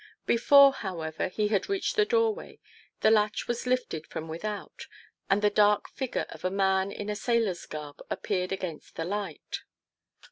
Before, however, he had reached the doorway, the latch was lifted from without, and the dark figure of a man in a sailor's garb appeared against the light.